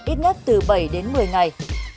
ít nhất từ bảy đến một mươi ngày